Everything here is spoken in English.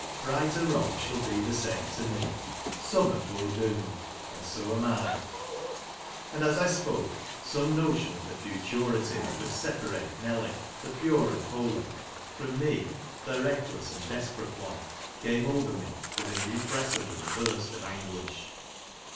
Eight or wrong shall be the same to me. Some are fore doomed ; and so am I." And as I spoke, some notion of the futurity that would sepa rate Nelly, the pure and holy, from me, the reckless and desperate one, came over me with an irrepressible burst of anguish.